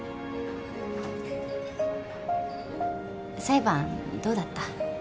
裁判どうだった？